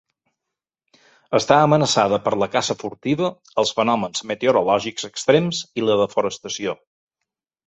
Està amenaçada per la caça furtiva, els fenòmens meteorològics extrems i la desforestació.